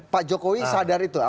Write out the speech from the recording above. pak jokowi sadar itu